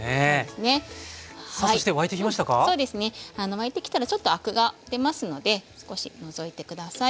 沸いてきたらちょっとアクが出ますので少し除いて下さい。